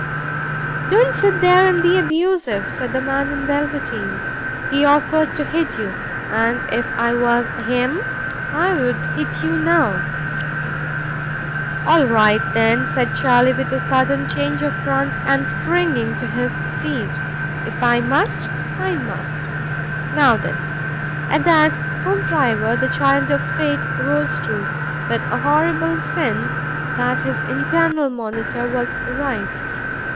"Don't sit there and be abusive," said the man in velveteen. "He's offered to hit you, and if I was him, I'd hit you now." "All right, then," said Charlie, with a sudden change of front and springing to his feet. "If I must, I must. Now, then!" At that, Hoopdriver, the child of Fate, rose too, with a horrible sense that his internal monitor was right.